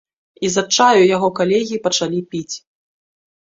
І з адчаю яго калегі пачалі піць.